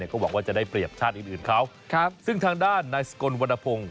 ก็หวังว่าจะได้เปรียบชาติอื่นเขาซึ่งทางด้านนายสกลวรรณพงศ์